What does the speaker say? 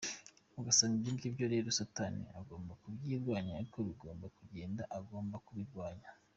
Ugasanga ibyo ngibyo rero satani agomba kubirwanya niko bigomba kugenda agomba kubirwanya.